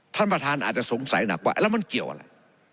ท่านประธานอาจจะสงสัยหนักว่าแล้วมันเกี่ยวอะไร